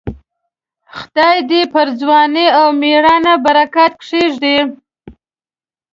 خدای دې پر ځوانۍ او مړانه برکت کښېږدي.